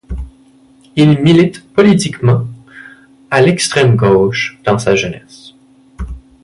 Il milite politiquement à l'extrême gauche dans sa jeunesse.